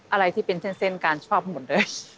อะไรที่เป็นเส้นการชอบหมดเลย